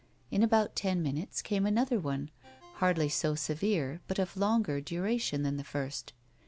In about ten minutes came another one, hardly so severe but of longer duration than the first.